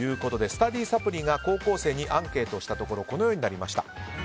スタディサプリが高校生にアンケートしたところこのようになりました。